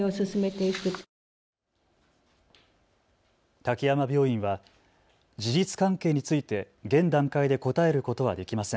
滝山病院は事実関係について現段階で答えることはできません。